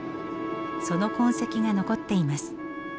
その痕跡が残っています。